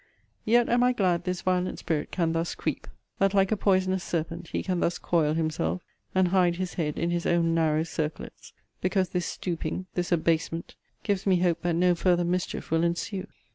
Yet am I glad this violent spirit can thus creep; that, like a poisonous serpent, he can thus coil himself, and hide his head in his own narrow circlets; because this stooping, this abasement, gives me hope that no farther mischief will ensue.